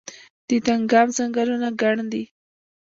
د دانګام ځنګلونه ګڼ دي